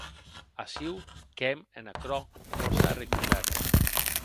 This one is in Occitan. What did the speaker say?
Aciu qu’èm en aquerò fòrça arreculats.